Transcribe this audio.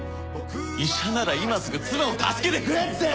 「医者なら今すぐ妻を助けてくれって！」